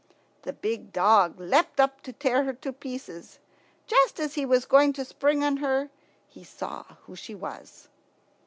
The big dog leapt up to tear her to pieces. Just as he was going to spring on her he saw who she was.